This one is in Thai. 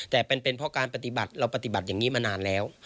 แต่เป็นเพราะการปฏิบัติเราปฏิบัติอย่างนี้มานานแล้ว